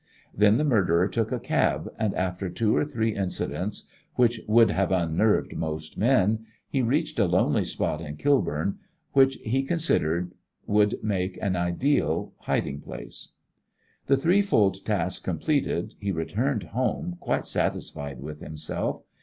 Then the murderer took a cab, and, after two or three incidents which would have unnerved most men, he reached a lonely spot in Kilburn which he considered would make an ideal hiding place. The threefold task completed he returned home quite satisfied with himself.